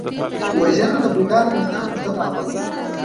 وژنه د بیدار وجدان ضد عمل دی